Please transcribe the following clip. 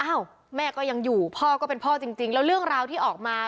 แม่ก็ยังอยู่พ่อก็เป็นพ่อจริงแล้วเรื่องราวที่ออกมา